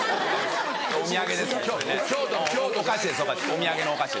お土産です